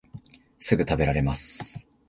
すぐたべられます